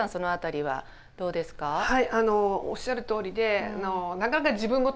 はい。